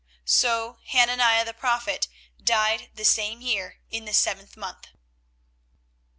24:028:017 So Hananiah the prophet died the same year in the seventh month.